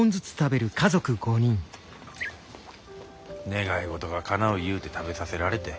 願い事がかなういうて食べさせられて。